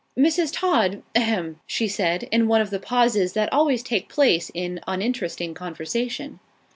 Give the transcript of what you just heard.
"Mrs. Todd a hem!" she said in one of the pauses that always take place in uninteresting conversation.